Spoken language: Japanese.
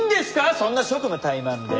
そんな職務怠慢で。